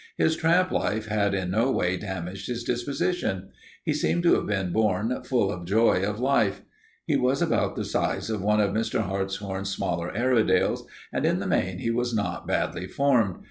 His tramp life had in no way damaged his disposition; he seemed to have been born full of the joy of life. He was about the size of one of Mr. Hartshorn's smaller Airedales and in the main he was not badly formed.